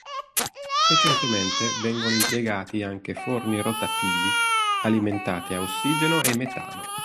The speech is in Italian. Recentemente vengono impiegati anche forni rotativi alimentati a ossigeno e metano.